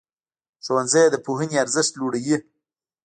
ښوونځی د پوهنې ارزښت لوړوي.